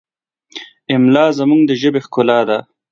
املا زموږ د ژبې ښکلا ده.